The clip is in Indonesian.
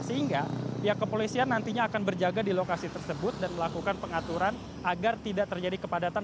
sehingga pihak kepolisian nantinya akan berjaga di lokasi tersebut dan melakukan pengaturan agar tidak terjadi kepadatan